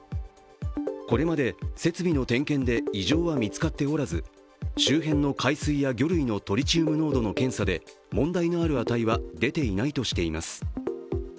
これまで設備の点検で異常は見つかっておらず周辺の海水や魚類のトリチウム濃度の検査で問題のある値は出ていないとしています。